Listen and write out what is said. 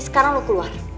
sekarang lo keluar